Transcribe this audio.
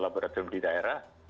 laboratorium di daerah